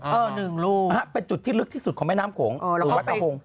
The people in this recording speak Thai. เออหนึ่งลูกอ่าฮะเป็นจุดที่ลึกที่สุดของแม่น้ำโขงหรือวัดอาหง